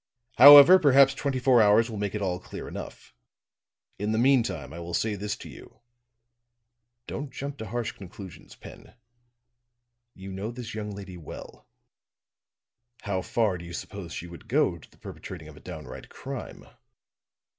However, perhaps twenty four hours will make it all clear enough. In the meantime I will say this to you: Don't jump to harsh conclusions, Pen. You know this young lady well. How far do you suppose she would go to the perpetrating of a downright crime?"